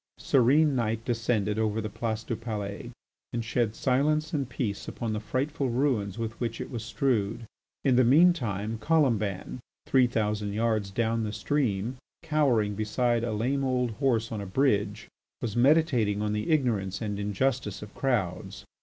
Serene night descended over the Place du Palais and shed silence and peace upon the frightful ruins with which it was strewed. In the mean time, Colomban, three thousand yards down the stream, cowering beside a lame old horse on a bridge, was meditating on the ignorance and injustice of crowds.